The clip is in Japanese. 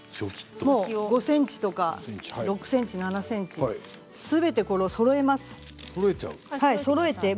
５ｃｍ、６ｃｍ、７ｃｍすべてそろえます。